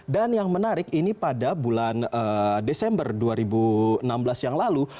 dan yang menarik ini pada bulan desember dua ribu enam belas yang lalu